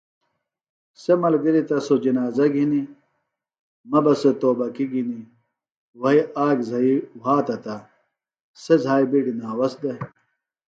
سےۡ ملگِریۡ تہ سوۡ جنازہ گھنیۡ مہ بہ سےۡ توبکیۡ گھنیۡ وھئیۡ آک زھئیۡ وھاتہ تہ سےۡ زھائیۡ بِیڈیۡ ناوس دےۡ